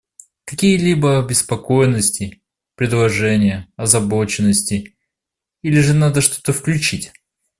Какие-либо обеспокоенности, предложения, озабоченности, или же надо что-то включить?